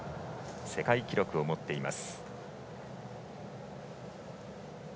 世界記録を持っています。